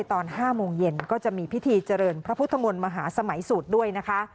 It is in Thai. ตอน๕โมงเย็นก็จะมีพิธีเจริญพระพุทธมนต์มหาสมัยสูตรด้วยนะคะ